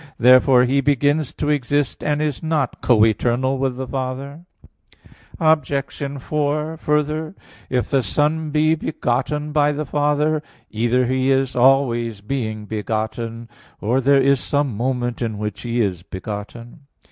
Therefore He begins to exist, and is not co eternal with the Father. Obj. 4: Further, if the Son be begotten by the Father, either He is always being begotten, or there is some moment in which He is begotten.